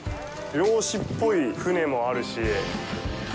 漁師っぽい船もあるし。